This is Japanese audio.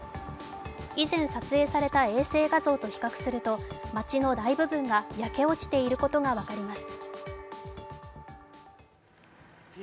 以前撮影された衛星画像と比較すると町の大部分が焼け落ちていることが分かります。